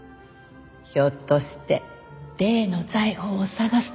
ひょっとして例の財宝を探すためだったとか？